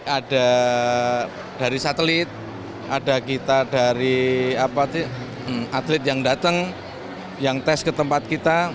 ada dari satelit ada kita dari atlet yang datang yang tes ke tempat kita